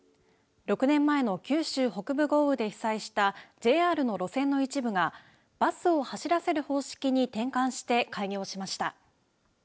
６年前の九州北部豪雨で被災したＪＲの路線の一部がバスを走らせる方式に転換して開業しました。